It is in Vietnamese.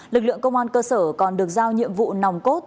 lực lượng công an cơ sở còn được giao nhiệm vụ nòng cốt